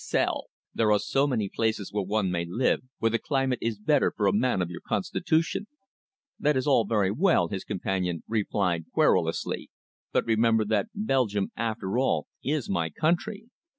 Sell. There are so many places where one may live, where the climate is better for a man of your constitution." "That is all very well," his companion replied querulously, "but remember that Belgium, after all, is my country.